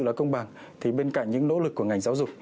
nói công bằng thì bên cạnh những nỗ lực của ngành giáo dục